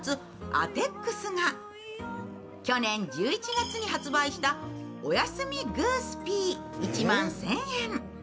アテックスが去年１１月に発売したおやすみグースピー１万１０００円。